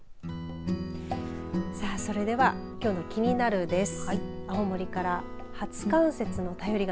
さあ、それではきょうのキニナル！です。